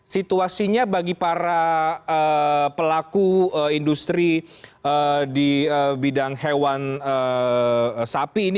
situasinya bagi para pelaku industri di bidang hewan sapi ini